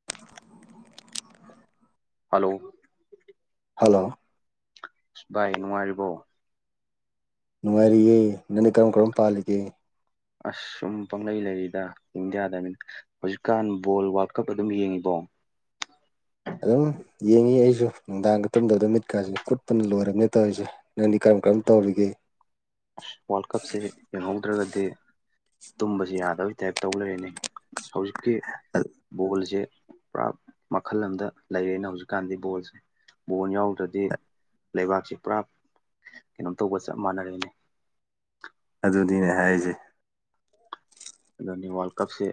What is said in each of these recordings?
[inaudible] Hello hello ꯏꯁ ꯚꯥꯏ ꯅꯨꯉꯥꯏꯔꯤꯕꯣ ꯅꯨꯡꯉꯥꯏꯔꯤꯌꯦ ꯅꯪꯗꯤ ꯀꯔꯝ ꯀꯔꯝ ꯄꯥꯜꯂꯤꯒꯦ ꯑꯁ ꯁꯨꯝ ꯄꯪꯂꯩ ꯂꯩꯔꯤꯗꯥ ꯏꯟꯗꯤꯌꯥꯗ ꯃꯤꯟ ꯍꯧꯖꯤꯛꯀꯥꯟ ꯕꯣꯜ ꯋꯥꯔꯜꯗ ꯀꯞ ꯑꯗꯨꯝ ꯌꯦꯡꯉꯤꯕꯣ ꯑꯗꯨꯝ ꯌꯦꯡꯉꯤ ꯑꯩꯁꯨ ꯅꯨꯡꯗꯥꯡꯒ ꯇꯨꯝꯗꯕꯗꯝ ꯃꯤꯠꯀꯥꯥꯁꯦ ꯀꯨꯠꯄꯅ ꯂꯣꯏꯔꯝꯃꯤ ꯇꯣꯏꯁꯦ ꯅꯪꯗꯤ ꯀꯔꯝ ꯀꯔꯝ ꯇꯧꯔꯤꯒꯦ ꯑꯁ ꯋꯥꯔꯜ ꯀꯞꯁꯦ ꯌꯦꯡꯍꯧꯗ꯭ꯔꯒꯗꯤ ꯇꯨꯝꯕꯁꯤ ꯌꯥꯗꯕꯩ ꯇꯥꯏꯞ ꯇꯧ ꯂꯩꯔꯦꯅꯦ ꯍꯧꯖꯤꯛꯀꯤ ꯕꯣꯜꯖꯦ ꯄꯨꯔꯥ ꯃꯈꯜ ꯑꯃꯗ ꯂꯩꯔꯦꯅ ꯍꯧꯖꯤꯛꯀꯥꯟꯗꯤ ꯕꯣꯜꯁꯦ ꯕꯣꯜ ꯌꯥꯎꯗ꯭ꯔꯗꯤ ꯂꯩꯕꯥꯛꯁꯦ ꯄꯨꯔꯥ ꯀꯩꯅꯣꯝ ꯇꯧꯕ ꯆꯞ ꯃꯥꯟꯅꯔꯦꯅꯦ ꯑꯗꯨꯗꯤꯅꯦ ꯍꯥꯏꯖꯦ ꯑꯗꯨꯅꯤ ꯋꯥꯔꯜ ꯀꯞꯁꯤ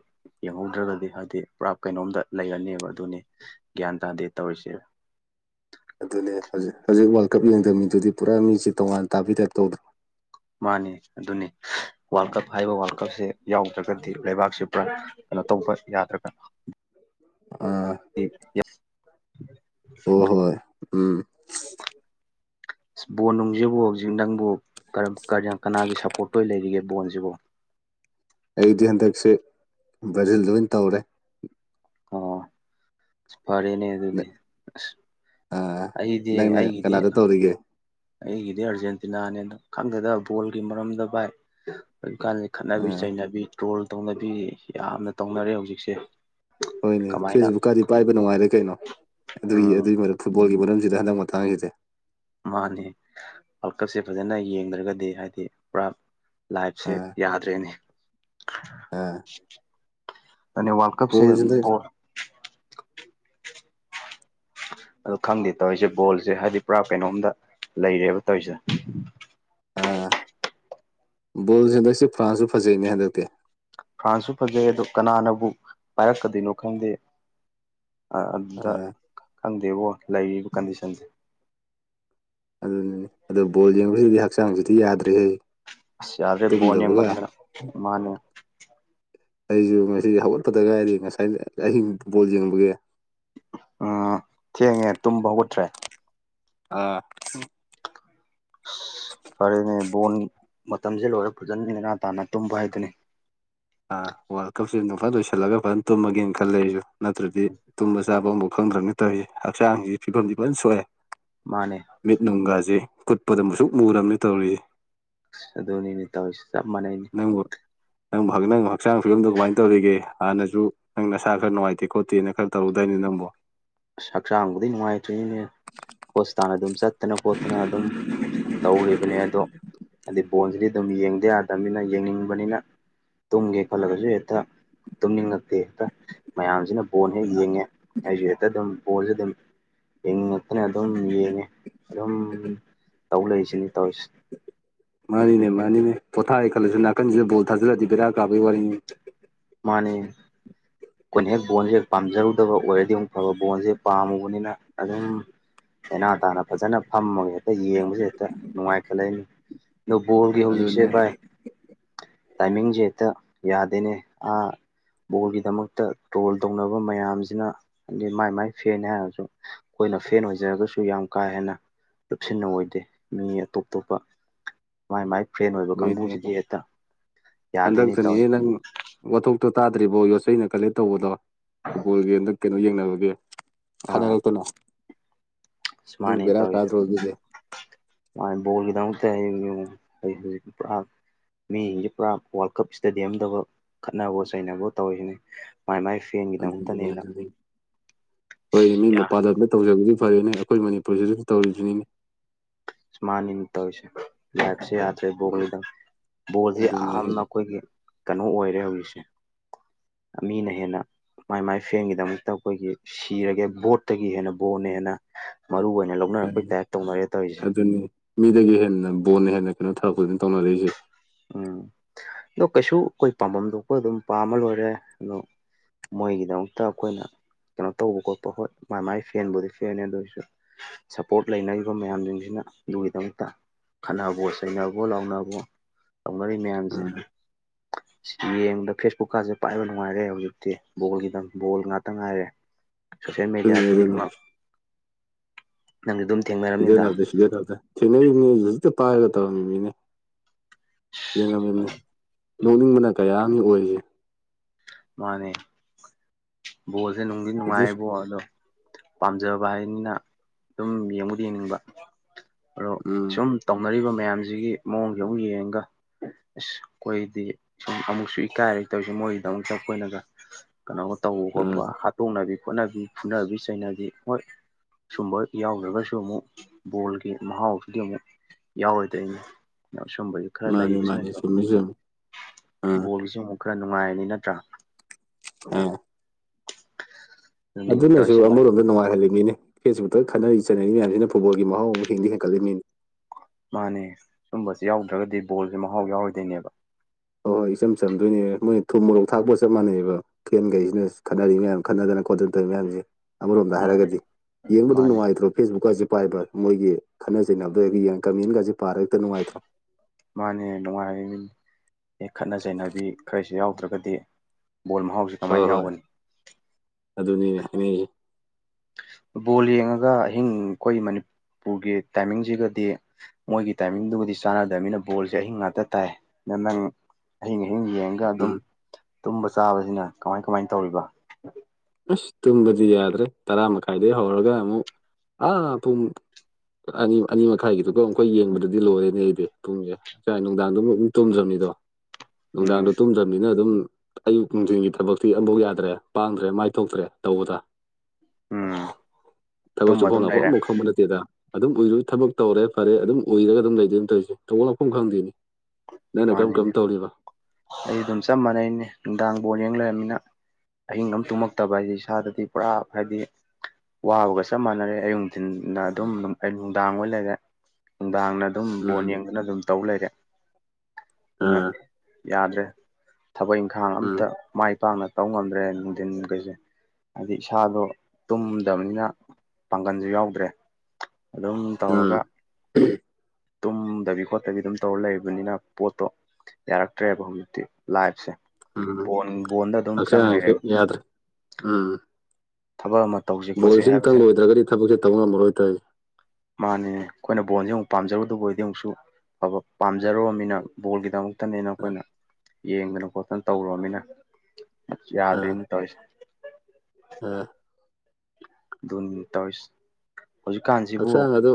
ꯌꯦꯡꯍꯧꯗ꯭ꯔꯒꯗꯤ ꯍꯥꯏꯗꯤ ꯄꯨꯔꯥ ꯀꯩꯅꯣꯝꯗ ꯂꯩꯔꯅꯦꯕ ꯑꯗꯨꯅꯤ ꯒ꯭ꯌꯥꯟ ꯇꯥꯗꯦ ꯇꯧꯔꯤꯁꯦ ꯑꯗꯨꯅꯦ ꯍꯧꯖꯤꯛ ꯍꯧꯖꯤꯛ ꯋꯥꯔꯜ ꯀꯞ ꯌꯦꯡꯗꯕ ꯃꯤꯗꯨꯗꯤ ꯄꯨꯔꯥ ꯃꯤꯁꯤ ꯇꯣꯉꯥꯟ ꯇꯥꯕꯩ ꯇꯥꯏꯞ ꯇꯧꯗ꯭ꯔꯣ ꯃꯥꯅꯤ ꯑꯗꯨꯅꯤ ꯋꯥꯔꯜ ꯀꯞ ꯍꯥꯏꯕ ꯋꯥꯔꯜ ꯀꯞꯁꯦ ꯌꯥꯎꯗ꯭ꯔꯒꯗꯤ ꯂꯩꯕꯥꯛ ꯁꯦ ꯄꯨꯔꯥ ꯀꯩꯅꯣ ꯇꯧꯕ ꯌꯥꯗ꯭ꯔꯒ ꯑ [unintelligible] ꯑꯣ ꯍꯣꯏ ꯎꯝ ꯕꯣꯟ ꯅꯨꯡꯖꯤꯕꯨ ꯍꯧꯖꯤꯛ ꯅꯪꯕꯨ ꯀꯔꯝ ꯀꯔꯥ ꯀꯅꯥꯒꯤ ꯁꯞꯄꯣꯔꯠꯇꯣꯏ ꯂꯩꯔꯤꯒꯦ ꯕꯣꯟꯖꯤꯕꯨ ꯑꯩꯗꯤ ꯍꯟꯗꯛꯁꯦ ꯕ꯭ꯔꯥꯖꯤꯜꯗ ꯑꯣꯏ ꯇꯧꯔꯦ ꯑꯣ ꯐꯔꯦꯅꯦ ꯑꯗꯨꯗꯤ ꯑꯁ ꯑꯥ ꯑꯩꯗꯤ ꯅꯪꯅꯦ ꯑꯩꯒꯤꯗꯤ ꯀꯅꯥꯗ ꯇꯧꯔꯤꯒꯦ ꯑꯩꯒꯤꯗꯤ ꯑꯥꯔꯖꯦꯟꯇꯤꯅꯥꯅꯦꯅ ꯈꯪꯗꯦꯗꯥ ꯕꯣꯜꯒꯤ ꯃꯔꯝꯗ ꯚꯥꯏ ꯍꯧꯖꯤꯛ ꯀꯥꯟꯁꯦ ꯈꯠꯅꯕꯤ ꯑꯥ ꯆꯩꯅꯕꯤ ꯇ꯭ꯔꯣꯜ ꯇꯧꯅꯕꯤ ꯌꯥꯝꯅ ꯇꯧꯅꯔꯦ ꯍꯧꯖꯤꯛꯁꯦ ꯍꯣꯏꯅꯦ ꯀꯃꯥꯏꯅ ꯐꯦꯁꯕꯨꯛꯀꯥꯗꯤ ꯄꯥꯏꯕ ꯅꯨꯡꯉꯥꯏꯔꯦ ꯀꯩꯅꯣ ꯑꯗꯨꯒꯤ ꯎꯝ ꯑꯗꯨꯏ ꯃꯔꯝ ꯐꯨꯠꯕꯣꯜꯒꯤ ꯃꯔꯝ ꯁꯤꯗ ꯍꯟꯗꯛ ꯃꯇꯥꯡꯁꯤꯗꯤ ꯃꯥꯅꯦ ꯋꯥꯔꯜ ꯀꯞꯁꯦ ꯐꯖꯅ ꯌꯦꯡꯗ꯭ꯔꯒꯗꯤ ꯍꯥꯏꯗꯤ ꯄꯨꯔꯥ ꯂꯥꯏꯐꯁꯦ ꯑꯥ ꯌꯥꯗ꯭ꯔꯦꯅꯦ ꯑꯥ ꯑꯅꯦ ꯋꯥꯔꯜ ꯀꯞꯁꯦ ꯕꯣꯜꯁꯤꯅ ꯕꯣꯜ ꯑꯗꯨ ꯈꯪꯗꯦ ꯇꯧꯔꯤꯁꯦ ꯕꯣꯜꯁꯦ ꯍꯥꯏꯗꯤ ꯄꯨꯔꯥ ꯀꯩꯅꯣꯝꯗ ꯂꯩꯔꯦꯕ ꯇꯣꯏꯁꯦ ꯑꯥ ꯕꯣꯜꯁꯦ ꯍꯟꯗꯛꯁꯦ ꯐ꯭ꯔꯥꯟꯁꯁꯨ ꯐꯖꯩꯅꯦ ꯍꯟꯗꯛꯇꯤ ꯐ꯭ꯔꯥꯟꯁꯁꯨ ꯐꯖꯩ ꯑꯗꯣ ꯀꯅꯥꯅꯕꯨ ꯄꯥꯏꯔꯛꯀꯗꯣꯏꯅꯣ ꯈꯪꯗꯦ ꯑꯥ ꯑꯗꯨꯗ ꯑꯥ ꯈꯪꯗꯦꯕꯣ ꯂꯩꯔꯤꯕ ꯀꯟꯗꯤꯁꯟꯁꯦ ꯑꯗꯨꯅꯤꯅꯦ ꯑꯗꯣ ꯕꯣꯜ ꯌꯦꯡꯕꯁꯤꯗꯤ ꯍꯛꯆꯥꯡꯁꯤꯗꯤ ꯌꯥꯗ꯭ꯔꯦꯍꯦ ꯑꯁ ꯌꯥꯗ꯭ꯔꯦ ꯕꯣꯜ ꯇꯨꯝꯗꯕꯒ ꯌꯦꯡꯃꯟꯗꯅꯥ ꯃꯥꯅꯦ ꯑꯩꯖꯨ ꯉꯁꯤ ꯍꯧꯒꯠꯄꯗ ꯉꯥꯏꯗꯤ ꯉꯁꯥꯏ ꯑꯍꯤꯡ ꯐꯨꯠꯕꯣꯜ ꯌꯦꯡꯉꯝꯕꯒꯤ ꯑꯥ ꯊꯦꯡꯉꯦ ꯇꯨꯝꯕ ꯍꯧꯒꯠꯇ꯭ꯔꯦ ꯑꯥ ꯐꯔꯦꯅꯦ ꯕꯣꯟ ꯃꯇꯝꯁꯦ ꯂꯣꯏꯔ ꯐꯖꯅ ꯅꯤꯅꯥ ꯇꯥꯅ ꯇꯨꯝꯕ ꯍꯥꯏꯗꯨꯅꯤ ꯑꯥ ꯋꯥꯔꯜ ꯀꯞꯁꯤꯅꯨ ꯐꯖꯅ ꯂꯣꯏꯁꯜꯂꯒ ꯐꯖꯅ ꯇꯨꯝꯃꯒꯦꯅ ꯈꯜꯂꯦ ꯑꯩꯁꯨ ꯅꯠꯇ꯭ꯔꯗꯤ ꯇꯨꯝꯕ ꯆꯥꯕ ꯑꯃꯕꯥꯎ ꯈꯪꯗ꯭ꯔꯝꯅꯤ ꯇꯣꯏꯁꯦ ꯍꯛꯆꯥꯡꯁꯤ ꯐꯤꯕꯝꯗꯤ ꯐꯖꯅ ꯁꯣꯛꯑꯦ ꯃꯥꯅꯦ ꯃꯤꯠ ꯅꯨꯡꯒꯁꯦ ꯀꯨꯠꯄꯗ ꯃꯨꯁꯨꯛ ꯃꯨꯨꯔꯝꯅꯤ ꯇꯧꯔꯤꯁꯦ ꯑꯗꯨꯅꯤꯃꯤ ꯇꯧꯔꯤꯁꯦ ꯆꯞ ꯃꯅꯩꯅꯦ ꯅꯪꯕꯨ [unintelligible] ꯅꯪꯕꯨ ꯍꯛꯆꯥꯡ ꯐꯤꯕꯝꯗꯣ ꯀꯃꯥꯏꯅ ꯇꯧꯔꯤꯒꯦ ꯍꯥꯟꯅꯁꯨ ꯅꯪ ꯅꯁꯥ ꯈꯔ ꯅꯨꯡꯉꯥꯏꯇꯦ ꯈꯣꯠꯇꯦꯅ ꯈꯔ ꯇꯧꯔꯨꯗꯥꯏꯅꯤ ꯅꯪꯕꯨ ꯑꯁ ꯍꯛꯆꯥꯡꯕꯨꯗꯤ ꯅꯨꯡꯉꯥꯏꯇ꯭ꯔꯤꯅꯤꯅꯦ ꯍꯣꯁꯄꯤꯇꯟꯅ ꯑꯗꯨꯝ ꯆꯠꯇꯅ ꯈꯣꯠꯇꯅ ꯑꯗꯨꯝ ꯇꯧꯔꯤꯕꯅꯦ ꯑꯗꯣ ꯍꯥꯏꯗꯤ ꯐꯣꯟꯟꯁꯤꯗꯤ ꯑꯗꯨꯝ ꯌꯦꯡꯗ ꯌꯥꯗꯕꯅꯤꯅ ꯌꯦꯡꯅꯤꯡꯕꯅꯤꯅ ꯇꯨꯝꯒꯦ ꯈꯜꯂꯒꯁꯨ ꯍꯦꯛꯇ ꯇꯨꯝꯅꯤꯡꯉꯛꯇꯦ ꯍꯦꯛꯇ ꯃꯌꯥꯝꯁꯤꯅ ꯕꯣꯜ ꯍꯦꯛ ꯌꯦꯡꯉꯦ ꯑꯩꯁꯨ ꯍꯦꯛꯇ ꯑꯗꯨꯝ ꯕꯣꯜꯁꯦ ꯑꯗꯨꯝ ꯌꯦꯡꯅꯤꯡꯉꯛ ꯑꯅ ꯑꯗꯨꯝ ꯌꯦꯡꯉꯦ ꯑꯗꯨꯝ ꯇꯧ ꯂꯩꯔꯤꯁꯤꯅꯤ ꯇꯧꯔꯤꯁꯤ ꯃꯥꯅꯤꯅꯦ ꯃꯥꯅꯤꯅꯦ ꯄꯣꯊꯥꯒꯦ ꯈꯜꯂꯁꯨ ꯅꯥꯀꯟꯁꯤꯗ ꯕꯣꯜ ꯊꯥꯖꯤꯜꯂꯗꯤ ꯕꯦꯔꯥ ꯀꯥꯕꯩ ꯋꯥꯔꯤꯅꯤ ꯃꯥꯅꯦ ꯑꯩꯈꯣꯏꯅ ꯍꯦꯛ ꯕꯣꯜꯁꯦ ꯄꯥꯝꯖꯔꯨꯗꯕ ꯑꯣꯏꯔꯗꯤ ꯑꯃꯨꯛ ꯐꯕ ꯕꯣꯜꯁꯦ ꯄꯥꯝꯃꯨꯕꯅꯤꯅ ꯑꯗꯨꯝ ꯅꯦꯅꯥ ꯇꯥꯅ ꯐꯖꯅ ꯐꯝꯃꯒ ꯍꯦꯛꯇ ꯌꯦꯡꯕꯁꯦ ꯍꯦꯛꯇ ꯅꯨꯡꯉꯥꯏꯈꯠꯂꯛꯏꯅꯦ ꯑꯗꯣ ꯕꯣꯜꯒꯤ ꯍꯧꯖꯤꯛꯁꯦ ꯑꯗꯨꯅꯦ ꯚꯥꯏ ꯇꯥꯏꯃꯤꯡꯁꯦ ꯍꯦꯛꯇ ꯌꯥꯗꯦꯅꯦ ꯑꯥ ꯕꯣꯜꯒꯤꯗꯃꯛꯇ ꯇ꯭ꯔꯣꯜ ꯇꯧꯅꯕ ꯃꯌꯥꯝꯁꯤꯅ ꯍꯥꯏꯗꯤ ꯃꯥꯏ ꯃꯥꯏ ꯐꯦꯟꯅꯤꯍꯥꯏꯔꯁꯨ ꯑꯈꯣꯏꯅ ꯐꯦꯟ ꯑꯣꯏꯖꯔꯒꯁꯨ ꯌꯥꯝ ꯀꯥ ꯍꯦꯟꯅ ꯂꯨꯞꯁꯤꯟꯅ ꯑꯣꯏꯗꯦ ꯃꯤ ꯑꯇꯣꯞ ꯑꯇꯣꯞꯄ ꯃꯥꯏ ꯃꯥꯏ ꯐ꯭ꯔꯦꯟ ꯑꯣꯏꯕ ꯍꯣꯏꯅꯦ ꯀꯥꯡꯕꯨꯁꯤꯗꯤ ꯍꯦꯛꯇ ꯌꯥꯗꯦꯅꯦ ꯏꯇꯥꯎ ꯍꯟꯗꯛꯇꯅꯤꯅꯦ ꯅꯪ ꯋꯥꯊꯣꯛꯇꯣ ꯇꯥꯗ꯭ꯔꯤꯕꯣ ꯌꯣꯠꯆꯩꯅ ꯀꯂꯦ ꯇꯧꯕꯗꯣ ꯐꯨꯠꯕꯣꯜꯒꯤ ꯍꯟꯗꯛ ꯀꯩꯅꯣ ꯌꯦꯡꯅꯕꯒꯤ ꯈꯠꯅꯔꯛꯇꯅ ꯏꯁ ꯑꯗꯨ ꯃꯥꯅꯤ ꯕꯦꯔꯥ ꯇꯧꯔꯤꯁꯦ ꯀꯥꯗ꯭ꯔꯣ ꯑꯗꯨꯗꯤ ꯃꯥꯅꯦ ꯕꯣꯜꯒꯤꯗꯃꯛꯇ ꯍꯌꯦꯡ ꯌꯦꯡꯉꯣ [unintelligible] ꯄꯨꯔꯥ ꯃꯤꯁꯤꯡꯖꯦ ꯄꯨꯔꯥ ꯋꯥꯔꯜ ꯀꯞ ꯏꯁꯇꯦꯗꯤꯌꯝꯗꯕꯥꯎ ꯈꯠꯅꯕ ꯆꯩꯅꯕꯑꯣ ꯇꯧꯔꯤꯗꯨꯅꯤ ꯃꯥꯏ ꯃꯥꯏ ꯐꯦꯟꯒꯤꯗꯃꯛꯇꯅꯦꯅ [unintelligible] ꯍꯣꯏ ꯃꯤ ꯃꯄꯥꯟꯂꯝꯗ ꯇꯧꯖꯕꯗꯤ ꯐꯔꯦꯅꯦ ꯑꯈꯣꯏ ꯃꯅꯤꯄꯨꯔꯗꯁꯨ ꯇꯧꯔꯤꯖꯤꯅꯤꯅꯦ ꯃꯥꯅꯤꯅꯦ ꯇꯧꯔꯤꯁꯦ ꯂꯥꯏꯞꯁꯦ ꯌꯥ ꯎꯝ [unintelligible] ꯕꯣꯜꯁꯦ ꯑꯗꯨꯅꯤ ꯌꯥꯝꯅ ꯍꯥꯏꯁꯦ ꯑꯈꯣꯏꯒꯤ ꯀꯩꯅꯣ ꯑꯣꯏꯔꯦ ꯍꯧꯖꯤꯛꯁꯦ ꯑꯃꯤꯅ ꯍꯦꯅ ꯃꯥꯏ ꯃꯥꯏ ꯐꯦꯟꯒꯤꯗꯃꯛꯇ ꯑꯈꯣꯏꯒꯤ ꯁꯤꯔꯒꯦ ꯕꯣꯠꯇꯒꯤ ꯍꯦꯟꯅ ꯕꯣꯟꯅ ꯍꯦꯟꯅ ꯃꯔꯨ ꯑꯣꯏꯅ ꯂꯧ ꯍꯥꯏ ꯑꯗꯨꯅꯤ ꯃꯤꯗꯒꯤ ꯍꯦꯟꯅ ꯕꯣꯟꯅ ꯍꯦꯟꯅ ꯀꯩꯅꯣ ꯊꯥꯔꯛꯄꯗꯨꯅꯦ ꯇꯧꯅꯔꯛꯏꯁꯦ ꯎꯝ ꯑꯗꯣ ꯀꯩꯁꯨ ꯑꯈꯣꯏ ꯄꯥꯝꯕꯝ ꯊꯣꯛꯄ ꯑꯗꯨꯝ ꯄꯥꯃ ꯂꯣꯏꯔꯦ ꯑꯗꯣ ꯃꯣꯏꯒꯤꯗꯃꯛꯇ ꯑꯈꯣꯏꯅ ꯀꯩꯅꯣ ꯇꯧꯕ ꯈꯣꯠꯄ ꯍꯣꯏ ꯃꯥ ꯃꯥꯥꯏ ꯐꯦꯟꯕꯨꯗꯤ ꯐꯦꯟꯅꯦ ꯑꯗꯨ ꯑꯣꯏꯁꯨ ꯁꯄꯣꯔꯠ ꯂꯩꯅꯔꯤꯕ ꯃꯌꯥꯝꯖꯤꯡꯁꯤꯅ ꯑꯗꯨꯒꯤꯗꯃꯛꯇ ꯈꯠꯅꯕꯣꯑꯣ ꯆꯩꯅꯕꯣꯑꯣ ꯂꯥꯎꯅꯕꯣꯑꯣ ꯇꯧꯅꯔꯤ ꯃꯌꯥꯝꯁꯦ ꯑꯥ ꯌꯦꯡꯕꯗ ꯐꯦꯁꯕꯨꯛꯀꯥꯁꯦ ꯄꯥꯏꯕ ꯅꯨꯡꯉꯥꯏꯔꯦ ꯍꯧꯖꯤꯛꯇꯤ ꯕꯣꯜꯒꯤꯗꯪ ꯕꯣꯜ ꯉꯥꯛꯇ ꯉꯥꯏꯔꯦ ꯁꯣꯁꯦꯟ ꯃꯦꯗꯤꯌꯥ ꯑꯗꯨꯅꯤ ꯑꯗꯨꯅꯤ ꯈꯨꯗꯤꯡꯃꯛ ꯅꯪ ꯑꯗꯨꯝ ꯊꯦꯡꯅꯩ ꯁꯤꯗꯅꯕꯗ ꯁꯤꯗꯅꯕꯗ ꯊꯦꯡꯅꯔꯤꯕꯅꯤ ꯍꯧꯖꯤꯛꯇ ꯄꯥꯏꯔꯒ ꯇꯧꯔꯝꯃꯤꯃꯤꯅꯦ ꯌꯦꯡꯉꯝꯃꯤꯅꯤ ꯅꯣꯛꯅꯤꯡꯕꯅ ꯀꯌꯥ ꯑꯃꯅꯤ ꯑꯣꯏꯔꯤꯁꯦ ꯃꯥꯅꯦ ꯕꯣꯜꯁꯦ ꯅꯨꯡꯗꯤ ꯑꯗꯨ ꯅꯨꯡꯉꯥꯏꯕꯣ ꯑꯗꯣ ꯄꯥꯝꯖꯕ ꯍꯥꯏꯕꯅꯤꯅ ꯑꯗꯨꯝ ꯌꯦꯡꯕꯨꯗꯤ ꯌꯦꯡꯅꯤꯡꯕ ꯑꯗꯣ ꯎꯝ ꯁꯨꯝ ꯇꯧꯅꯔꯤꯕ ꯃꯌꯥꯝꯖꯤꯒꯤ ꯃꯑꯣꯡꯗꯣ ꯑꯃꯨꯛ ꯌꯦꯡꯉꯒ ꯑꯁ ꯈꯣꯏꯗꯤ ꯁꯨꯝ ꯑꯃꯨꯛꯁꯨ ꯏꯀꯥꯏꯔ ꯇꯧꯖꯦ ꯃꯣꯏꯒꯤꯗꯃꯛ ꯑꯈꯣꯏꯅꯒ ꯀꯩꯅꯣꯒ ꯇꯧꯕ ꯈꯣꯠꯄ ꯎꯝ ꯍꯥꯠꯇꯣꯛꯅꯕꯤ ꯈꯣꯠꯅꯕꯤ ꯐꯨꯅꯕꯤ ꯆꯩꯅꯕꯤ ꯍꯣꯏ ꯁꯨꯝꯕ ꯌꯥꯎꯗ꯭ꯔꯒꯁꯨ ꯑꯃꯨꯛ ꯕꯣꯜꯒꯤ ꯃꯍꯥꯎꯁꯤꯗꯤ ꯑꯃꯨꯛ ꯌꯥꯎꯔꯣꯏꯗꯩꯅꯤ ꯅ ꯁꯨꯝꯕꯩ ꯈꯔ ꯃꯥꯅꯤ ꯃꯥꯅꯤ ꯂꯩꯕꯁꯤꯅꯁꯨ ꯆꯨꯝꯃꯤ ꯆꯨꯝꯃꯤ ꯎꯝ ꯕꯣꯜꯒꯤꯁꯨ ꯑꯃꯨꯛ ꯈꯔ ꯅꯨꯡꯉꯥꯏꯔꯅꯤ ꯅꯠꯇ꯭ꯔꯥ ꯑꯥ ꯑꯗꯨꯅꯤ ꯑꯗꯨꯅꯁꯨ ꯇꯧꯔꯤꯁꯤ ꯑꯃꯨꯛ ꯑꯗ ꯅꯨꯡꯉꯥꯏꯍꯜꯂꯤ ꯂꯤꯅꯦ ꯐꯦꯁꯕꯨꯛꯇ ꯈꯠꯅꯔꯤ ꯆꯩꯅꯔꯤ ꯃꯌꯥꯝꯁꯤꯅ ꯐꯨꯠꯕꯣꯜꯒꯤ ꯃꯍꯥꯎ ꯑꯃꯨꯛ ꯍꯦꯟꯗꯤ ꯍꯦꯟꯀꯠꯂꯤꯝꯅꯤꯅꯦ ꯃꯥꯅꯦ ꯁꯨꯝꯕꯁꯦ ꯌꯥꯎꯗ꯭ꯔꯒꯗꯤ ꯕꯣꯜꯓꯦ ꯃꯍꯥꯎ ꯌꯥꯎꯔꯣꯏꯗꯣꯏꯅꯦꯕ ꯍꯣꯏ ꯍꯣꯏ ꯏꯆꯝ ꯆꯝꯗꯣꯏꯅꯦ ꯃꯣꯏꯅ ꯊꯨꯝ ꯃꯣꯔꯣꯛ ꯊꯥꯛꯄ ꯆꯞ ꯃꯥꯟꯅꯩꯑꯦꯕ ꯐꯦꯟꯈꯩꯖꯤꯅ ꯈꯠꯅꯔꯤ ꯃꯌꯥꯝ ꯈꯠꯅꯗꯅ ꯈꯣꯠꯇꯅ ꯇꯧꯔꯤ ꯃꯌꯥꯝꯖꯦ ꯑꯃꯔꯣꯝꯗ ꯃꯥꯅꯦ ꯍꯥꯏꯔꯒꯗꯤ ꯌꯦꯡꯕ ꯑꯗꯨꯝ ꯃꯥꯅꯦ ꯅꯨꯡꯉꯥꯏꯇ꯭ꯔꯣ ꯐꯦꯁꯕꯨꯛꯀꯁꯦ ꯄꯥꯏꯕ ꯃꯣꯏꯒꯤ ꯈꯠꯅ ꯆꯩꯅꯕꯗꯣ ꯑꯩ ꯀꯥꯃꯦꯟꯒꯖꯦ ꯄꯥꯔ ꯍꯦꯛꯇ ꯅꯨꯡꯉꯥꯏꯇ꯭ꯔꯣ ꯃꯥꯅꯦ ꯅꯨꯡꯉꯥꯏ ꯔꯤꯝꯅꯤ ꯍꯦꯛ ꯈꯠꯅ ꯆꯩꯅꯕꯤ ꯈꯔꯁꯨ ꯌꯥꯎꯇ꯭ꯔꯒꯗꯤ ꯕꯣꯜ ꯃꯍꯥꯎꯁꯤ ꯍꯣꯏ ꯍꯣꯏ ꯑꯗꯨꯅꯤꯅꯦ ꯍꯥꯏꯅꯩꯖꯦ ꯕꯣꯜ ꯌꯦꯡꯉꯒ ꯑꯍꯤꯡ ꯈꯣꯏ ꯃꯅꯤꯄꯨꯔꯒꯤ ꯇꯥꯏꯃꯤꯡꯖꯤꯒꯗꯤ ꯃꯣꯏꯒꯤ ꯇꯥꯏꯃꯤꯡꯗꯨꯒꯗꯤ ꯆꯥꯟꯅꯗꯕꯅꯤꯅ ꯕꯣꯜꯖꯦ ꯑꯍꯤꯡ ꯉꯥꯛꯇ ꯇꯥꯏ ꯅꯪ ꯑꯍꯤꯡ ꯑꯍꯤꯡ ꯌꯦꯡ ꯒ ꯑꯗꯨꯝ ꯎꯝ ꯇꯨꯝꯕ ꯆꯥꯕꯖꯤꯅ ꯀꯃꯥꯏ ꯀꯃꯥꯏꯅ ꯇꯧꯔꯤꯕ ꯑꯁ ꯇꯨꯝꯕꯗꯤ ꯌꯥꯗ꯭ꯔꯦ ꯇꯔꯥ ꯃꯈꯥꯏꯗꯩ ꯍꯧꯔꯒ ꯑꯃꯨꯛ ꯑꯥ ꯄꯨꯡ ꯑꯅꯤ ꯑꯅꯤ ꯃꯈꯥꯏꯒꯤꯗꯨꯒ ꯑꯃꯨꯛꯈ ꯌꯦꯡꯕꯗꯗꯤ ꯂꯣꯏꯔꯦꯅꯦ ꯑꯩꯗꯤ ꯄꯨꯡꯖꯦ ꯑꯆꯥꯏ ꯅꯨꯡꯗꯥꯡꯗꯨ ꯇꯨꯝꯗ꯭ꯔꯕꯅꯤꯗꯣ ꯎꯝ ꯅꯨꯡꯗꯥꯡꯗꯣ ꯇꯨꯝꯗ꯭ꯔꯕꯅꯤꯅ ꯑꯗꯨꯝ ꯑꯌꯨꯛ ꯅꯨꯡꯊꯤꯟꯒꯤ ꯊꯕꯛꯇꯤ ꯑꯐꯧ ꯌꯥꯗ꯭ꯔꯦ ꯄꯥꯡꯗ꯭ꯔꯦ ꯃꯥꯏ ꯊꯣꯛꯇ꯭ꯔꯦ ꯇꯧꯕꯗ ꯎꯝ ꯊꯕꯛ ꯇꯨꯝꯃ ꯆꯨꯐꯝ ꯑꯗꯨꯝ ꯂꯥꯛꯐꯝ ꯂꯩꯔꯦ ꯑꯝꯕꯧ ꯈꯪꯕ ꯅꯠꯇꯦꯗ ꯑꯗꯨꯝ ꯎꯏꯔꯨꯏ ꯊꯕꯛ ꯇꯧꯔꯦ ꯐꯔꯦ ꯑꯗꯨꯝ ꯎꯏꯔꯒ ꯑꯗꯨꯝ ꯂꯩꯗꯣꯏꯅꯦ ꯇꯧꯔꯤꯁꯦ ꯇꯧꯐꯝ ꯂꯥꯛꯐꯝ ꯈꯪꯗꯦꯅꯦ ꯅꯪꯅ ꯀꯔꯝ ꯃꯥꯅꯤꯅꯦ ꯀꯔꯝ ꯇꯧꯔꯤꯕ ꯑꯩ ꯑꯗꯨꯝ ꯆꯞ ꯃꯥꯟꯅꯩꯅꯦ ꯅꯨꯡꯗꯥꯡ ꯕꯣꯜ ꯌꯦꯡ ꯂꯩꯔꯃꯤꯅ ꯑꯍꯤꯡ ꯑꯃ ꯇꯨꯝꯃꯛꯇꯕ ꯍꯥꯏꯖꯦ ꯏꯁꯥꯗꯗꯤ ꯄꯨꯔꯥ ꯍꯥꯏꯕꯗꯤ ꯋꯥꯕꯒ ꯆꯞ ꯃꯥꯟꯅꯔꯦ ꯑꯌꯨ ꯅꯨꯡꯊꯤꯟꯗ ꯑꯗꯨꯝ ꯅꯨꯡꯗꯥꯡ ꯑꯣꯏꯅ ꯂꯩꯔꯦ ꯅꯨꯡꯗꯥꯡꯅ ꯑꯗꯨꯝ ꯕꯣꯟ ꯎꯝ ꯌꯦꯡꯗꯅ ꯑꯗꯨꯝ ꯇꯧ ꯂꯩꯔꯦ ꯑꯗꯨꯅ ꯑꯥ ꯌꯥꯗ꯭ꯔꯦ ꯊꯕꯛ ꯏꯪꯈꯥꯡ ꯎꯝ ꯑꯝꯇ ꯃꯥꯏ ꯄꯥꯛꯅ ꯇꯧ ꯉꯝꯗ꯭ꯔꯦ ꯅꯨꯡꯗꯤꯟꯒꯖꯦ ꯍꯥꯏꯗꯤ ꯏꯁꯥꯗꯣ ꯇꯨꯝꯗꯕꯅꯤꯅ ꯄꯥꯡꯒꯟꯖꯨ ꯌꯥꯎꯗ꯭ꯔꯦ ꯑꯗꯨꯝ ꯇꯧꯔꯒ ꯎꯝ ꯇꯨꯝꯗꯕꯤ ꯈꯣꯠꯇꯕꯤ ꯑꯗꯨꯝ ꯇꯧꯔ ꯂꯩꯕꯅꯤꯅ ꯄꯣꯠꯇꯣ ꯌꯥꯔꯛꯇ꯭ꯔꯦꯕ ꯍꯧꯖꯤꯛꯇꯤ ꯂꯥꯏꯐꯁꯦ ꯄꯣꯟ ꯕꯣꯟꯗ ꯑꯗꯨꯝ ꯆꯪ ꯍꯛꯆꯥꯡ ꯖꯦ ꯂꯩꯔꯦꯕ ꯌꯥꯗ꯭ꯔꯦ ꯎꯝ ꯊꯕꯛ ꯑꯃ ꯇꯧꯁꯤ ꯈꯣꯠꯁꯤ ꯕꯣꯜꯖꯤ ꯑꯃꯇꯪ ꯍꯥꯏꯕꯁꯦ ꯂꯣꯏꯗ꯭ꯔꯒꯗꯤ ꯊꯕꯛ ꯆꯠꯇꯕ‌ ꯉꯝꯃꯔꯣꯏ ꯇꯥꯏ ꯃꯥꯅꯤꯅꯦ ꯈꯣꯏꯅ ꯕꯣꯜꯖꯦ ꯑꯃꯨꯛ ꯄꯥꯝꯖꯔꯨꯗꯕꯨ ꯑꯣꯏꯗꯤ ꯑꯃꯨꯛꯁꯨ ꯐꯕ ꯄꯥꯝꯖꯔꯣꯝꯃꯤꯅ ꯕꯣꯜꯒꯤꯗꯃꯛ ꯇꯅꯦꯅ ꯑꯥ ꯈꯣꯏꯅ ꯌꯦꯡꯗꯅ ꯈꯣꯠꯇꯅ ꯇꯧꯔꯣꯅꯤꯅ ꯌꯥꯗ꯭ꯔꯦꯅ ꯇꯧꯔꯤꯁꯦ ꯑ ꯗꯨꯅꯤ ꯇꯧꯔꯤꯁ ꯍꯧꯖꯤꯛꯀꯥꯟꯖꯤꯕꯨ ꯍꯛꯆꯥꯡ ꯑꯗꯨ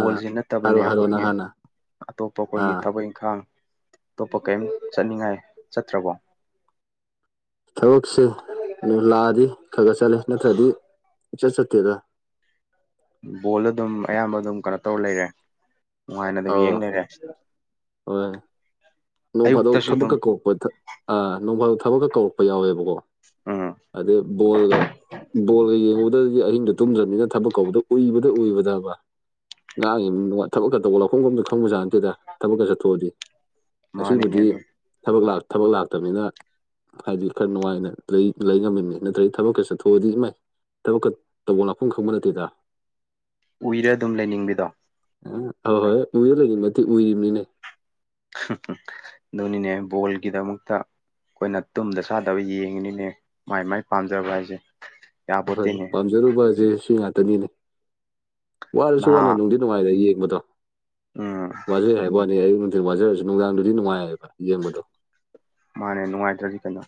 ꯑꯥ ꯅꯠꯇꯕꯅꯦ ꯍꯥꯏꯔꯣ ꯍꯥꯏꯔꯣ ꯅꯪ ꯑꯩꯈꯣꯏꯒꯤ ꯍꯥꯟꯅ ꯑꯇꯣꯞꯄ ꯑꯩꯈꯣꯏꯒꯤ ꯑꯥ ꯊꯕꯛ ꯏꯪꯈꯥꯡ ꯑꯇꯣꯞꯄ ꯀꯩꯌꯥꯝ ꯆꯠꯅꯤꯡꯉꯥꯏ ꯆꯠꯇ꯭ꯔꯕꯣ ꯊꯕꯛꯁꯦ ꯂꯥꯛꯑꯗꯤ ꯈꯈꯥ ꯆꯠꯂꯦ ꯅꯠꯇ꯭ꯔꯗꯤ ꯏꯆꯠ ꯆꯠꯇꯦꯗ ꯕꯣꯜꯗ ꯑꯗꯨꯝ ꯑꯌꯥꯝꯕ ꯑꯗꯨꯝ ꯀꯩꯅꯣ ꯇꯧꯔ ꯂꯩꯔꯦ ꯅꯨꯡꯉꯥꯏꯅ ꯑꯗꯨꯝ ꯑꯥ ꯌꯦꯡꯂꯩꯔꯦ ꯍꯣꯏ ꯅꯣꯡ ꯐꯥꯗꯣꯛ ꯊꯕꯛꯀ ꯀꯧꯔꯛꯄ ꯑꯥ ꯅꯣꯡ ꯐꯥꯗꯣꯛ ꯊꯕꯛꯀ ꯀꯧꯔꯛꯄ ꯌꯥꯎꯋꯦꯕꯀꯣ ꯑꯥ ꯑꯗ ꯕꯣꯜꯒ ꯕꯣꯜꯒ ꯌꯦꯡꯉꯧꯗꯗꯤ ꯑꯍꯤꯡꯗꯣ ꯇꯨꯝꯗ꯭ꯔꯕꯅꯤꯅ ꯊꯕꯛ ꯀꯧꯕꯗ ꯎꯏꯕꯗ ꯎꯏꯕꯗꯕ [unintelligible] ꯊꯕꯛꯀ ꯇꯧꯕ ꯂꯛꯐꯝꯒ ꯑꯝꯇ ꯈꯪꯕꯖꯠꯅꯠꯇꯦꯗ ꯊꯕꯛꯀ ꯆꯠꯊꯣꯛꯑꯗꯤ ꯃꯥꯅꯤꯅꯦ ꯑꯁꯤꯕꯨꯗꯤ ꯑꯗꯨꯝ ꯊꯕꯛ ꯂꯥ ꯊꯕꯛ ꯂꯥꯛꯇꯝꯅꯤꯅ ꯍꯥꯏꯗꯤ ꯈꯔ ꯅꯨꯡꯉꯥꯏꯅ ꯂꯩ ꯂꯩ ꯉꯝꯃꯤꯅꯤ ꯅꯠꯇ꯭ꯔꯗꯤ ꯊꯕꯛ ꯀꯩ ꯆꯠꯊꯣꯛꯑꯗꯤ ꯏꯃꯥꯏ ꯊꯕꯛꯀ ꯇꯧꯕ ꯂꯥꯛꯐꯝ ꯈꯪꯕ ꯅꯠꯇꯦꯗ ꯎꯏꯔ ꯑꯗꯨꯝ ꯂꯩꯅꯤꯡꯕꯤꯗꯣ [unintelligible] ꯍꯣꯏ ꯎꯏꯔꯥ ꯂꯩꯔꯤꯝ ꯅꯠꯇꯦ ꯎꯏꯔꯤꯝꯃꯤꯅꯦ [unintelligible] ꯑꯗꯨꯅꯤꯅꯦ ꯕꯣꯜꯒꯤꯗꯃꯛꯇ ꯑꯩꯈꯣꯏꯅ ꯇꯨꯝꯗ ꯆꯥꯗꯕ ꯌꯦꯡꯉꯤꯅꯤꯅꯦ ꯃꯥꯏ ꯃꯥꯏ ꯄꯥꯝꯖꯕ ꯍꯥꯏꯁꯦ ꯍꯣꯏ ꯌꯥꯄꯣꯠꯇꯦꯅꯦ ꯄꯥꯝꯖꯔꯨꯕꯁꯦ ꯁꯤ ꯉꯥꯛꯇꯅꯤꯅꯦ ꯋꯥꯔꯁꯨ ꯅꯍꯥ ꯋꯥꯅ ꯅꯨꯡꯗꯤꯠ ꯅꯨꯡꯉꯥꯏꯔꯦ ꯌꯦꯡꯕꯗꯣ ꯎꯝ ꯋꯥꯖꯩ ꯍꯥꯏꯕꯩ ꯋꯥꯅꯤ [unintelligible] [unintelligible] ꯋꯥꯖꯔꯁꯨ ꯅꯨꯡꯗꯥꯡꯗꯨꯗꯤ ꯅꯨꯡꯉꯥꯏꯌꯦꯕ ꯌꯦꯡꯕꯗꯣ ꯃꯥꯅꯦ ꯅꯨꯡꯉꯥꯏꯇ꯭ꯔꯗꯤ ꯀꯩꯅꯣ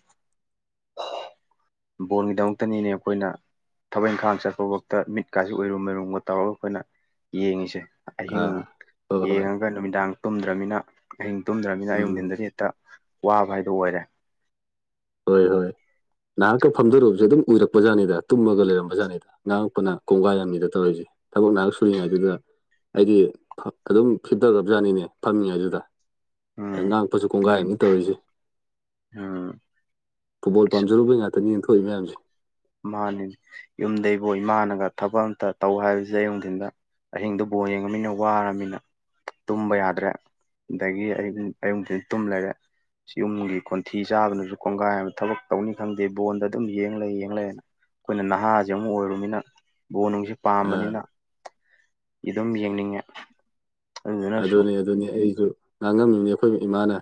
ꯕꯣꯜꯒꯤꯗꯃꯛꯇꯅꯤꯅꯦ ꯑꯩꯈꯣꯏꯅ ꯊꯕꯛ ꯏꯪꯈꯥꯡ ꯆꯠꯄꯕꯣꯗ ꯃꯤꯠ ꯀꯥꯏꯁꯤ ꯎꯏꯔꯨꯝ ꯎꯔꯨꯝꯕ ꯇꯧꯔꯒ ꯑꯩꯈꯣꯏꯅ ꯌꯦꯡꯉꯤꯁꯦ ꯑꯍꯤꯡ ꯑꯥ ꯍꯣꯏ ꯍꯣꯏ ꯌꯦꯡꯉꯒ ꯅꯨꯃꯤꯗꯥꯡ ꯇꯨꯝꯗ꯭ꯔꯝꯅꯤꯅ ꯑꯍꯤꯡ ꯇꯨꯝꯗ꯭ꯔꯝꯅꯤꯅ ꯎꯝ ꯑꯌꯨꯅꯨꯡꯊꯤꯟꯗꯗꯤ ꯍꯦꯛꯇ ꯋꯥꯕ ꯍꯥꯏꯗꯣ ꯑꯣꯏꯔꯦ ꯍꯣꯏ ꯍꯣꯏ ꯅꯍꯥꯛꯀ ꯐꯝꯗꯣꯔꯨꯕꯁꯦ ꯑꯗꯨꯝ ꯎꯏꯔꯛꯄꯖꯥꯠꯅꯤꯗ ꯇꯨꯝꯃꯒ ꯂꯩꯔꯝꯕꯖꯥꯠꯅꯤꯗ ꯉꯥꯡꯉꯛꯄꯅ ꯀꯣꯡꯒꯥꯏ ꯑꯥꯝꯅꯤꯗ ꯇꯧꯔꯛꯏꯁꯦ ꯊꯕꯛ ꯅꯍꯥꯛ ꯁꯨꯔꯤꯉꯩꯗꯨꯗ ꯍꯥꯏꯗꯤ ꯐꯛ ꯑꯗꯨꯝ ꯐꯤꯠ ꯇꯧꯒꯞꯖꯥꯠꯅꯤꯅꯦ ꯐꯝꯃꯤꯉꯩꯗꯨꯗ ꯎꯝ ꯑꯗ ꯉꯥꯡꯄꯁꯨ ꯀꯣꯡꯒꯥꯏ ꯑꯝꯅꯤ ꯇꯧꯔꯤꯁꯤ ꯎꯝ ꯐꯨꯠꯕꯣꯜ ꯄꯝꯖꯨꯕꯩ ꯉꯥꯛꯇꯅꯤꯅꯦ ꯊꯣꯛꯏ ꯃꯌꯥꯝꯁꯦ ꯃꯥꯅꯤ ꯌꯨꯝꯗꯩꯕꯨ ꯏꯃꯥꯅꯒ ꯊꯕꯛ ꯑꯝꯇ ꯇꯧ ꯍꯥꯏꯁꯦ ꯑꯌꯨꯅꯨꯡꯊꯤꯟꯗ ꯑꯍꯤꯡꯗꯨ ꯕꯣꯜ ꯌꯦꯡꯉꯃꯤꯅ ꯋꯥꯔꯃꯤꯅ ꯇꯨꯝꯕ ꯌꯥꯗ꯭ꯔꯦ ꯑꯗꯒꯤ ꯑꯩ ꯅꯨꯡ ꯑꯌꯨꯛ ꯅꯨꯡꯊꯤꯟ ꯇꯨꯝ ꯂꯩꯔꯦ ꯌꯨꯝꯒꯤ ꯀꯣꯟꯊꯤ ꯆꯥꯕꯅꯁꯨ ꯀꯣꯡꯒꯥꯏ ꯑꯃ ꯊꯕꯛ ꯇꯧꯅꯤ ꯈꯪꯗꯦ ꯕꯣꯟꯗ ꯑꯗꯨꯝ ꯌꯦꯡꯂꯩ ꯌꯦꯡꯂꯦ ꯑꯩꯈꯣꯏꯅ ꯅꯍꯥꯥꯁꯦ ꯑꯃꯨꯛ ꯑꯣꯏꯔꯨꯃꯤꯅ ꯕꯣ ꯅꯨꯡꯁꯦ ꯑꯥ ꯄꯥꯝꯕꯅꯤꯅ ꯏꯗꯨꯝ ꯌꯦꯡꯅꯤꯡꯉꯦ ꯑꯗꯨꯗꯨꯅꯁꯨ ꯑꯗꯨꯅꯤ ꯑꯗꯨꯅꯤ ꯑꯩꯁꯨ ꯉꯥꯡꯉꯝꯃꯤꯅꯤ ꯑꯩꯈꯣꯏ ꯏꯃꯥꯅ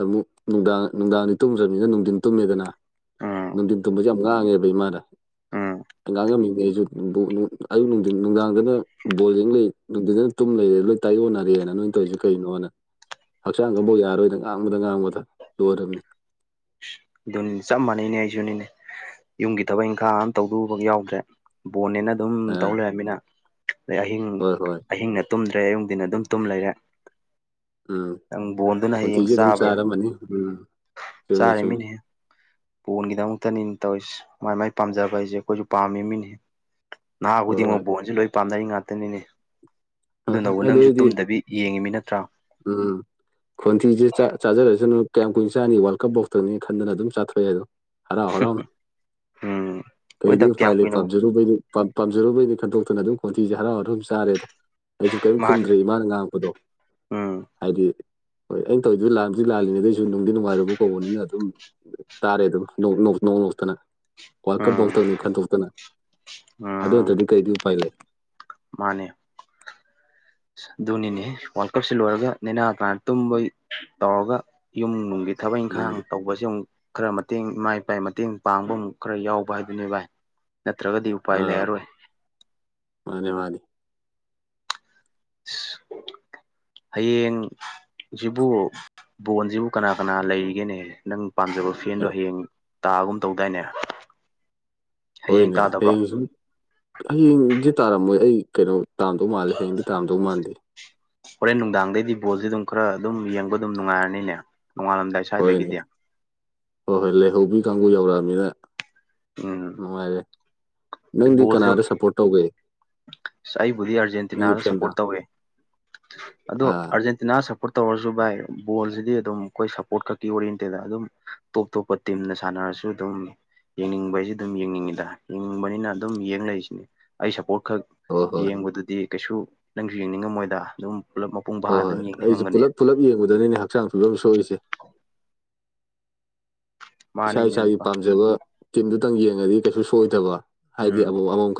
ꯑꯃꯨꯛ ꯅꯨꯡꯗꯥꯡ ꯅꯨꯡꯗꯥꯡꯗꯤ ꯇꯨꯝꯗ꯭ꯔꯕꯅꯤꯅ ꯅꯨꯡꯊꯤꯟ ꯇꯨꯝꯃꯦꯗꯅ ꯎꯝ ꯅꯨꯡꯊꯤꯟ ꯊꯨꯝꯕꯁꯤ ꯌꯥꯝ ꯉꯥꯡꯉꯦꯕ ꯏꯃꯥꯅ ꯎꯝ ꯑꯉꯥꯡ ꯉꯝꯃꯤꯉꯩ ꯑꯩꯁꯨ ꯅꯨꯡꯕꯨ ꯅꯨꯡ ꯑꯌꯨꯛ ꯅꯨꯡꯊꯤꯟ ꯅꯨꯡꯗꯥꯡꯗꯅ ꯕꯣꯜ ꯌꯦ ꯂꯩ ꯅꯨꯡꯊꯤꯟꯗꯅ ꯇꯨꯝ ꯂꯩꯔꯦ ꯂꯣꯏ ꯇꯥꯏꯌꯣꯟꯅꯔꯦ ꯅꯥ ꯅꯣꯏ ꯇꯧꯔꯤꯁꯦ ꯀꯩꯅꯣꯅ ꯍꯛꯆꯥꯡꯒ ꯑꯝꯕꯧ ꯌꯥꯔꯣꯏꯗ ꯉꯥꯡꯕꯗ ꯉꯥꯡꯕꯗ ꯂꯣꯏꯔꯝꯅꯤ ꯑꯗꯨꯅꯤ ꯆꯞ ꯃꯥꯟꯅꯩꯅꯦ ꯑꯩꯁꯨꯅꯤꯅꯦ ꯌꯨꯝꯒꯤ ꯊꯕꯛ ꯏꯪꯈꯥꯡ ꯑꯃ ꯇꯧꯗꯨꯕ ꯌꯥꯎꯗ꯭ꯔꯦ ꯕꯣꯟꯅꯦꯅ ꯑꯗꯨꯝ ꯑ ꯇꯧ ꯂꯩꯔꯃꯤꯅ ꯑꯗꯩ ꯑꯍꯤꯡ ꯍꯣꯏ ꯍꯣꯏ ꯑꯍꯤꯡꯅ ꯇꯨꯝꯗ꯭ꯔꯦ ꯑꯌꯨꯛꯗꯤꯟꯅ ꯑꯗꯨꯝ ꯇꯨꯝ ꯂꯩꯔꯦ ꯎꯝ ꯅꯪ ꯕꯣꯟꯗꯨꯅ ꯍꯌꯦꯡ ꯈꯣꯟꯊꯤꯁꯨ ꯑꯗꯨꯝ ꯆꯥꯕ ꯆꯥꯔꯝꯃꯅꯤ ꯎꯝ ꯆꯨꯝꯃꯤ ꯆꯥꯔ ꯆꯨꯝꯃꯤ ꯃꯤꯅꯦ ꯄꯣꯟꯒꯤꯗꯃꯛꯇꯅꯤ ꯇꯧꯔꯤꯁꯦ ꯃꯥꯏ ꯃꯥꯏ ꯄꯥꯝꯖꯕ ꯍꯥꯏꯁꯦ ꯑꯩꯈꯣꯏꯁꯨ ꯄꯥꯝꯃꯤ ꯃꯤꯅꯤ꯫ ꯅꯍꯥ ꯍꯣꯏ ꯍꯣꯏ ꯈꯨꯗꯤꯡꯃꯛ ꯕꯣꯟꯁꯨ ꯂꯣꯏ ꯄꯥꯝꯅꯔꯤ ꯉꯥꯛꯇꯅꯤꯅꯦ ꯑꯗꯨꯅꯕꯨ ꯑꯗꯨ ꯅꯪꯁꯨ ꯑꯣꯏꯗꯤ ꯇꯨꯝꯗꯕꯤ ꯌꯦꯡꯉꯤꯃꯤ ꯅꯠꯇ꯭ꯔꯥ ꯎꯝ ꯈꯣꯟꯊꯤꯁꯦ ꯆꯥꯖꯔꯁꯨꯅꯨ ꯀꯌꯥꯝ ꯀꯨꯏ ꯆꯥꯅꯤ ꯋꯥꯔꯜ ꯀꯞ ꯕꯣꯛꯇꯅꯤ ꯈꯟꯗꯅ ꯑꯗꯨꯝ ꯆꯥꯊꯣꯛꯏꯗꯣ ꯍꯔꯥꯎ ꯍꯔꯥꯎ ꯎꯝ ꯀꯩꯗꯤ ꯍꯣꯏꯗ ꯎꯄꯥꯏ ꯀꯌꯥꯝ ꯂꯩ ꯀꯨꯏꯅꯕꯨ ꯄꯥꯕꯖꯔꯨꯕꯩꯗꯤ ꯄꯥꯝꯖꯔꯨꯕꯩꯅꯤ ꯈꯟꯗꯣꯛꯇꯅ ꯑꯗꯨꯝ ꯀꯣꯟꯇꯤꯁꯦ ꯍꯔꯥꯎ ꯍꯔ ꯑꯗꯨꯝ ꯆꯥꯔꯦ ꯑꯗꯣ ꯑꯩꯁꯨ ꯀꯔꯤꯝ ꯃꯥꯅꯤ ꯈꯨꯝꯗ꯭ꯔꯦ ꯏꯃꯥꯅ ꯉꯥꯡꯉꯄꯗꯣ ꯎꯝ ꯍꯥꯏꯗꯤ ꯍꯣꯏ ꯑꯩꯅ ꯇꯧꯋꯔꯤꯗ ꯂꯥꯟꯑꯗꯤ ꯂꯥꯜꯂꯤꯉꯩꯗꯩꯁꯨ ꯅꯨꯡꯗꯤ ꯅꯨꯡꯉꯥꯏꯔꯕ ꯀꯧꯕꯅꯤꯅ ꯑꯗꯨꯝ ꯇꯥꯔꯦ ꯑꯗꯨꯝ ꯅꯣꯡ ꯅꯣꯛꯇꯅ ꯋꯥ ꯎꯝ ꯀꯐꯧꯇꯅꯤ ꯈꯟꯗꯣꯛꯇꯅ ꯑꯗꯨ ꯎꯝ ꯅꯠꯇ꯭ꯔꯗꯤ ꯀꯩꯗꯤ ꯎꯄꯥꯏ ꯂꯩ ꯃꯥꯅꯦ ꯑꯁ ꯑꯗꯨꯅꯤꯅꯦ ꯋꯥꯔꯜ ꯀꯞꯁꯤ ꯂꯣꯏꯔꯒ ꯅꯦꯅꯥ ꯇꯅꯥꯥꯏꯅ ꯇꯨꯝꯕꯩ ꯇꯧꯔꯒ ꯌꯨꯝ ꯅꯨꯡꯒꯤ ꯊꯕꯛ ꯎꯝ ꯏꯪꯈꯥꯡ ꯇꯧꯕꯁꯤ ꯑꯃꯨꯛ ꯈꯔ ꯃꯇꯦꯡ ꯏꯃꯥ ꯏꯄꯥ ꯃꯇꯦꯡ ꯄꯥꯡꯕ ꯑꯃ ꯈꯔ ꯌꯥꯎꯕ ꯍꯥꯏꯗꯨꯅꯤ ꯚꯥꯏ ꯅꯠꯇ꯭ꯔꯒꯗꯤ ꯎꯄꯥꯏ ꯂꯩꯔꯔꯣꯏ ꯃꯥꯅꯦ ꯃꯥꯅꯤ [inaudible] ꯍꯌꯦꯡꯁꯤꯕꯨ ꯕꯣꯟꯁꯤꯕꯨ ꯀꯅꯥ ꯀꯅꯥ ꯂꯩꯒꯦꯅꯦ ꯅꯪ ꯄꯥꯝꯖꯕ ꯐꯦꯟꯗꯣ ꯍꯌꯦꯡ ꯇꯥꯒꯨꯝ ꯇꯧꯗꯥꯏꯅꯦ ꯍꯌꯦꯡ ꯍꯣꯏꯅꯦ ꯇꯥꯗꯕ꯭ꯔꯣ ꯍꯌꯦꯡ ꯁꯨꯝ ꯍꯌꯦꯡꯗꯤ ꯇꯥꯔꯝꯃꯣꯏ ꯑꯩ ꯀꯩꯅꯣ ꯇꯥꯝꯗꯧ ꯃꯥꯜꯂꯦ ꯍꯌꯦꯡꯗꯤ ꯇꯥꯝꯗꯧ ꯃꯥꯟꯗꯦ ꯍꯣꯔꯦꯟ ꯅꯨꯡꯗꯥꯡꯗꯩꯗꯤ ꯕꯣꯜꯁꯦ ꯑꯗꯨꯝ ꯈꯔ ꯑꯗꯨꯝ ꯌꯦꯡꯕ ꯑꯗꯨꯝ ꯅꯨꯡꯉꯥꯏꯔꯅꯤꯅꯦ ꯅꯣꯡꯉꯥꯂꯝꯗ ꯍꯣꯏꯅꯦ ꯍꯣꯏ ꯍꯣꯏ ꯂꯩꯍꯧꯕꯤ ꯀꯥꯡꯕꯨ ꯌꯧꯔꯛꯑꯃꯤꯅ ꯎꯝ ꯅꯨꯡꯉꯥꯏꯔꯦ ꯅꯪꯗꯤ ꯕꯣꯜꯁꯨ ꯀꯅꯥꯗ ꯁꯞꯄꯣꯔꯠ ꯇꯧꯒꯦ ꯑꯩꯕꯨꯗꯤ ꯅꯪꯒꯤ ꯑꯥꯔꯖꯦꯟꯇꯤꯅꯥꯗ ꯐꯦꯟꯗ ꯁꯞꯄꯣꯔꯠ ꯇꯧꯋꯦ ꯑꯗꯣ ꯑꯥ ꯑꯔ ꯇꯅꯥ ꯁꯞꯄꯣꯔꯠ ꯇꯧꯔꯁꯨ ꯚꯥꯏ ꯕꯣꯜꯁꯤꯗꯤ ꯑꯗꯨꯝ ꯑꯩꯈꯣꯏ ꯁꯞꯄꯣꯔꯠ ꯈꯛꯀꯤ ꯑꯣꯏꯟꯇꯦꯗ ꯑꯗꯨꯝ ꯇꯣꯞ ꯇꯣꯞꯄ ꯇꯤꯝꯅ ꯁꯥꯟꯅꯔꯁꯨ ꯑꯗꯨꯝ ꯌꯦꯡꯅꯤꯡꯕ ꯍꯥꯏꯁꯦ ꯑꯗꯨꯝ ꯌꯦꯡꯅꯤꯡꯉꯤꯗ ꯐꯪꯕꯅꯤꯅ ꯑꯗꯨꯝ ꯌꯦꯡ ꯂꯩꯁꯤꯅꯤ ꯑꯩ ꯁꯄꯣꯔꯠ ꯈꯛ ꯍꯣꯏ ꯍꯣꯏ ꯌꯦꯡꯕꯗꯨꯗꯤ ꯀꯩꯁꯨ ꯅꯪꯁꯨ ꯌꯦꯡꯅꯤꯡꯉꯝꯃꯣꯏꯗ ꯑꯗꯨꯝ ꯄꯨꯂꯞ ꯃꯄꯨꯡ ꯍꯣꯏ ꯐꯥꯅ ꯑꯗꯨꯝ ꯍꯣꯏ ꯑꯩꯁꯨ ꯌꯦꯡꯅꯤꯡꯉꯝꯒꯅꯤ ꯄꯨꯂꯞ ꯄꯨꯂꯞ ꯌꯦꯡꯕꯗꯅꯤꯅꯦ ꯍꯛꯆꯥꯡ ꯐꯤꯕ ꯁꯣꯛꯏꯁꯦ ꯏꯁꯥ ꯃꯥꯅꯤꯅꯦ ꯏꯁꯥꯒꯤ ꯅꯨꯄꯥ ꯄꯥꯝꯖꯕ ꯇꯤꯝꯗꯨꯇꯪ ꯌꯦꯡꯉꯗꯤ ꯀꯩꯁꯨ ꯁꯣꯏꯗꯕ ꯍꯥꯏꯗꯤ ꯎꯝ ꯑꯃꯨ ꯑꯃꯥꯃꯨ